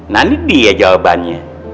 nah ini dia jawabannya